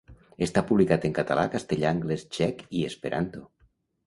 Està publicat en català, castellà, anglès, txec i esperanto.